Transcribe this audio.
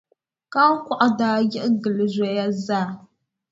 Kahiŋkɔɣu daa yiɣi gili zoya zaa.